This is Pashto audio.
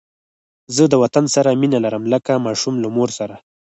زه د وطن سره مینه لرم لکه ماشوم له مور سره